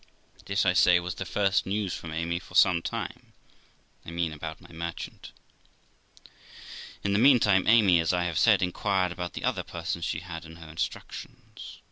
This, I say, was the first news from Amy for some time I mean about my merchant. In the meantime Amy, as I have said, inquired about the other persons she had in her instructions.